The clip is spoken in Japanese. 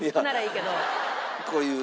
こういう。